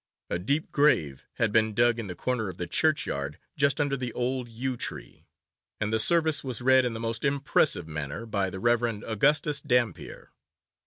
A deep grave had been dug in the corner of the churchyard, just under the old yew tree, and the service was read in the most impressive manner by the Rev. Augustus Dampier.